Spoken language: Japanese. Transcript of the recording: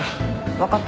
分かった。